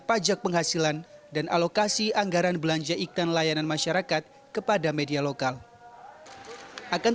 pajak penghasilan dan alokasi anggaran belanja iklan layanan masyarakat kepada media lokal akan